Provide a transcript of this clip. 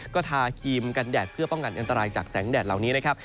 ก็ทาครีมกันแดดเพื่อป้องกันอันตรายจากแสงแดดเหล่านี้นะครับ